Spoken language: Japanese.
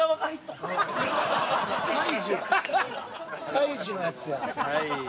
「カイジ」のやつや。